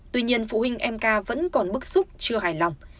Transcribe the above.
tuy nhiên phụ huynh em ca vẫn còn bức xúc chưa hài lòng